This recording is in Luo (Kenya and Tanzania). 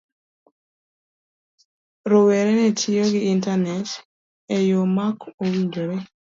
Rowere ne tiyo gi Intanet e yo ma ok owinjore.